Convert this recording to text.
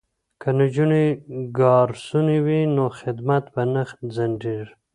که نجونې ګارسونې وي نو خدمت به نه ځنډیږي.